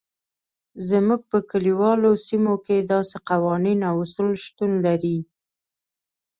زموږ په کلیوالو سیمو کې داسې قوانین او اصول شتون لري.